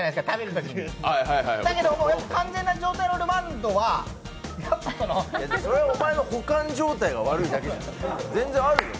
だけども、完全な状態のルマンドはやっぱそのそれはお前の保管状態が悪いだけじゃ、全然あるよ。